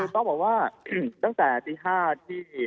ต้องบอกว่าตั้งแต่ตี๕ที่